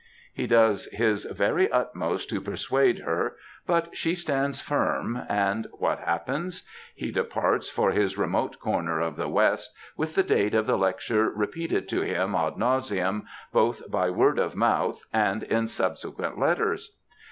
^ He does his very utmost to persuade her, but she stands firm, and what happens? He departs for his remote corner of the west, with the date of the lecture repeated to him ad nauseamj both by word of mouth and in subsequent letters.